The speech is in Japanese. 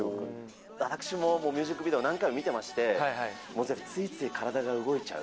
私ももうミュージックビデオ何度も見てまして、ついつい体が動いちゃう。